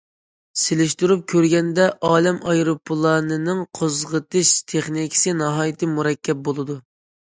سېلىشتۇرۇپ كۆرگەندە، ئالەم ئايروپىلانىنىڭ قوزغىتىش تېخنىكىسى ناھايىتى مۇرەككەپ بولىدۇ.